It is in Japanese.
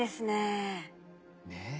ねえ。